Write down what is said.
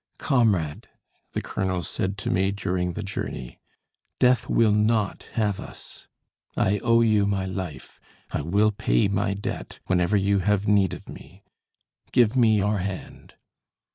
"Comrade," the colonel said to me during the journey, "Death will not have us. I owe you my life; I will pay my debt, whenever you have need of me. Give me your hand."